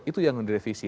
itu yang direvisi